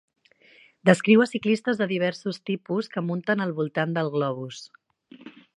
Descriu a ciclistes de diversos tipus, que munten al voltant del globus.